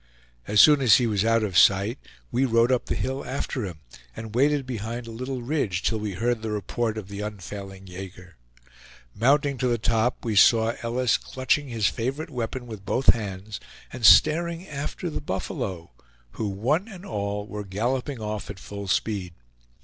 As soon as he was out of sight we rode up the hill after him, and waited behind a little ridge till we heard the report of the unfailing yager. Mounting to the top, we saw Ellis clutching his favorite weapon with both hands, and staring after the buffalo, who one and all were galloping off at full speed.